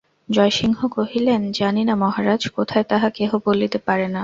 জয়সিংহ কহিলেন, জানি না মহারাজ, কোথায় তাহা কেহ বলিতে পারে না।